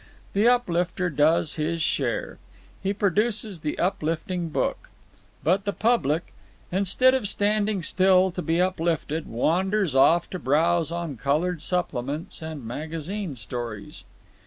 The uplifter does his share. He produces the uplifting book. But the public, instead of standing still to be uplifted, wanders off to browse on coloured supplements and magazine stories.